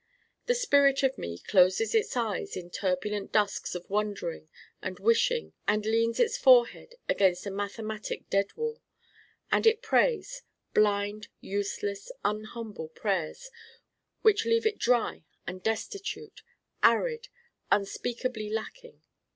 The spirit of me closes its eyes in turbulent dusks of wondering and wishing and leans its forehead against a mathematic dead wall. And it prays blind useless unhumble prayers which leave it dry and destitute, arid, unspeakably lacking.